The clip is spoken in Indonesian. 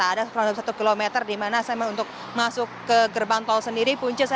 ada kurang lebih satu km di mana saya untuk masuk ke gerbang tol sendiri punca